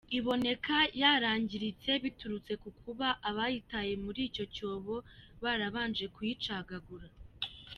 Iboneka yarangiritse biturutse ku kuba abayitaye muri icyo cyobo barabanje kuyicagagura.